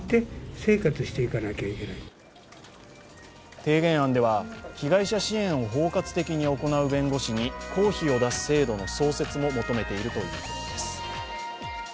提言案では被害者支援を包括的に行う弁護士に公費を出す制度の創設も求めているということです。